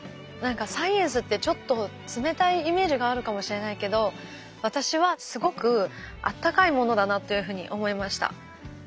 何かサイエンスってちょっと冷たいイメージがあるかもしれないけど私はすごくあったかいものだなというふうに思いました。